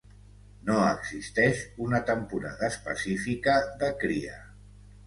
No existeix una temporada específica de cria.